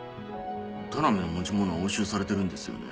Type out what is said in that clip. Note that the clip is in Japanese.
田波の持ち物は押収されてるんですよね？